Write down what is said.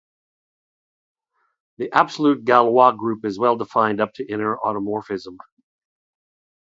The absolute Galois group is well-defined up to inner automorphism.